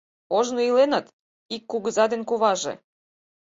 Ожно иленыт ик кугыза ден куваже.